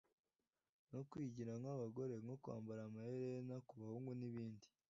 no kwigira nk’abagore nko kwambara amaherena ku bahugu n’ibindi